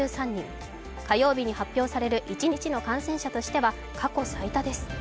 火曜日に発表される一日の感染者としては過去最多です。